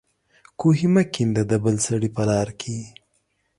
کوهي مه کېنده د بل سړي په لار کې